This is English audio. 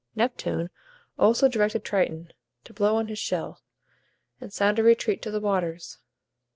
Neptune also directed Triton to blow on his shell, and sound a retreat to the waters.